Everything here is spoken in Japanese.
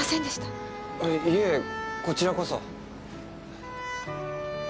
いえこちらこそ。